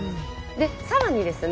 で更にですね